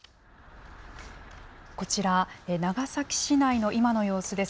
こちら、長崎市内の今の様子です。